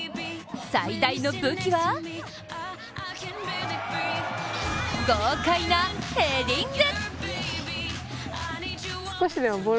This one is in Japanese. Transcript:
最大の武器は豪快なヘディング！